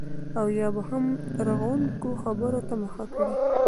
او یا به هم رغونکو خبرو ته مخه کړي